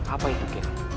apa itu kakek